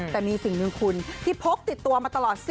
แต่มีสิ่งหนึ่งคุณที่พกติดตัวมาตลอด